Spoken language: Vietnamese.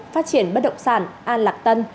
phát triển bất động sản an lạc tân